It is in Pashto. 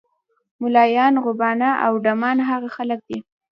ملایان، غوبانه او ډمان هغه خلک دي.